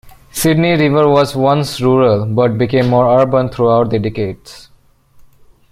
Sydney River was once rural, but became more urban throughout the decades.